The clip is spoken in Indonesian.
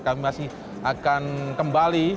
kami masih akan kembali